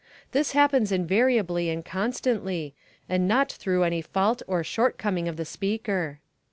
This happens invariably and constantly, and not through any fault or shortcoming of the speaker.